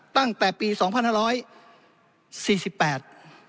ตั้งแต่ปีสองพันห้าร้อยสี่สิบแปด